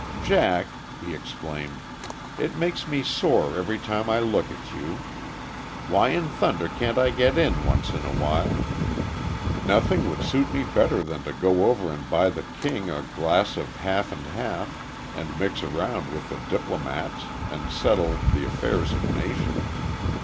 "Jack," he exclaimed, "it makes me sore every time I look at you. Why in thunder can't I get in once in a while? Nothing would suit me better than to go over and buy the king a glass of half and half and mix around with the diplomats and settle the affairs of nations.